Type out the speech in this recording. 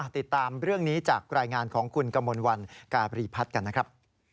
ติดตามเรื่องนี้จากรายงานของคุณกมลวันการีพัฒน์กันนะครับ